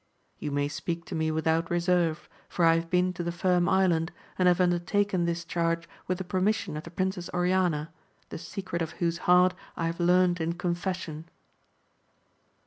You may speak to me without reserve, for I have been to the Firm Island, and have undertaken this charge with the permission of the Princess Oriana, the secret of whose heart I have leamt in confession.